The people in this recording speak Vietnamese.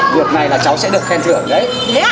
việc này là cháu sẽ được khen thưởng đấy